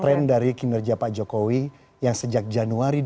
tren dari kinerja pak jokowi yang sejak januari dua ribu dua puluh